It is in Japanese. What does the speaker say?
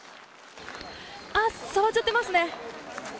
あ、触っちゃってますね。